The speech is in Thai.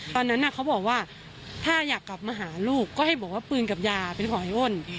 ตอนนั้นเขาบอกว่าถ้าอยากกลับมาหาลูกก็ให้บอกว่าปืนกับยาเป็นของไอ้อ้น